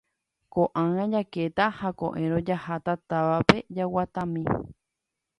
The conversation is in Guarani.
ko'ág̃a jakéta ha ko'ẽrõ jaháta távape jaguatami.